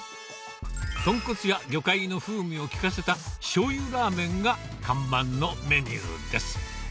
トンコツや魚介の風味を効かせたしょうゆラーメンが看板のメニューです。